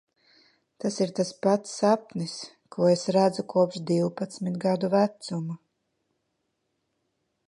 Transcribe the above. Tas ir tas pats sapnis, ko es redzu kopš divpadsmit gadu vecuma.